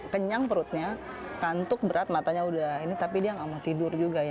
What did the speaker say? kenyang perutnya kantuk berat matanya udah ini tapi dia nggak mau tidur juga ya